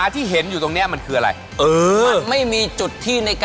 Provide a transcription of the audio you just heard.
เกมนี้ที่เห็นอยู่นะครับมีชื่อว่าแรงบิดพิชิตใจนะครับ